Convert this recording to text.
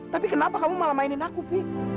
tapi kenapa kamu malah mainin aku pi